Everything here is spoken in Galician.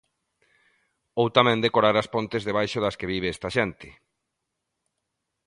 Ou tamén decorar as pontes debaixo das que vive esta xente.